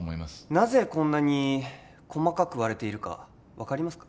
なぜこんなに細かく割れているか分かりますか？